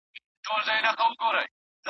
ایا انارګل به د خپل پلار په خبره عمل وکړي؟